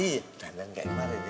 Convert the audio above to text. iya dandat kayak kemarin ya